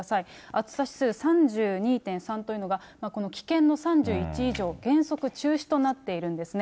暑さ指数３２．３というのが、この危険の３１以上、原則中止となっているんですね。